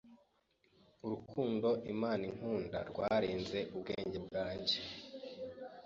Urukundo Imana inkunda rwarenze ubwenge bwanjye,